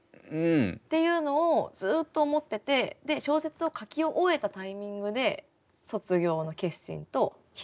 っていうのをずっと思ってて小説を書き終えたタイミングで卒業の決心と日取りを決めました。